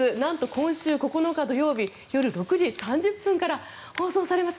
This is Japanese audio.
今週９日、土曜日夜６時３０分から放送されます。